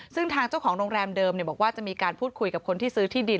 ซึ่งทางเจ้าของโรงแรมเดิมบอกว่าจะมีการพูดคุยกับคนที่ซื้อที่ดิน